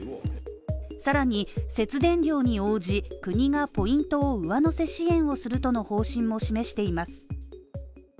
更に、節電量に応じ、国がポイントを上乗せ支援をするとの方針も示しています。